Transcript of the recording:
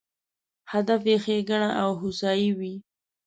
هدف یې ښېګڼه او هوسایي وي.